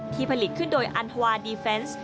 ที่ผลิตขึ้นโดยอันทวาร์ดีเฟนซ์